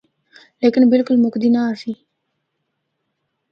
لیکن بالکل مُکدی نہ آسی۔